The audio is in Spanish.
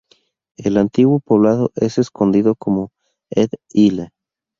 El antiguo poblado es conocido como Ede-Ile.